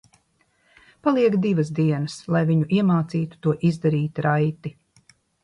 Paliek divas dienas, lai viņu iemācītu to izdarīt raiti.